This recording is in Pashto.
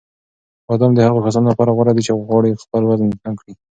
بادام د هغو کسانو لپاره غوره دي چې غواړي خپل وزن کم کړي.